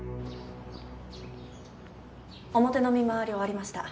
表の見回り終わりました。